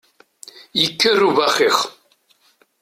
Yekker ubaxix!